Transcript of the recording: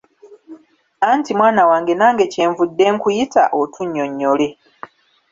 Anti mwana wange nange kye nvudde nkuyita otunnyonnyole.